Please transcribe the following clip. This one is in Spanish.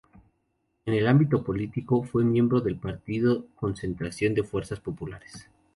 En el ámbito político fue miembro del partido Concentración de Fuerzas Populares.